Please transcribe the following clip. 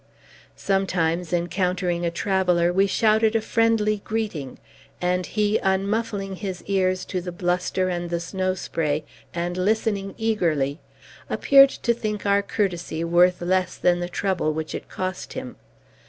Sometimes, encountering a traveller, we shouted a friendly greeting; and he, unmuffling his ears to the bluster and the snow spray, and listening eagerly, appeared to think our courtesy worth less than the trouble which it cost him.